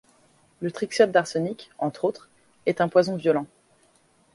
Le trioxyde d'arsenic, entre autres, est un poison violent.